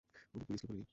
কোনো পুলিশকে বলিনি।